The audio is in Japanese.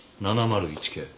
７０１系。